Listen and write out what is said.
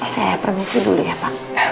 saya permisi dulu ya pak